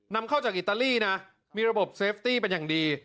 นำเข้าจากอิตาลีนะมีระบบเซฟตี้เป็นอย่างดี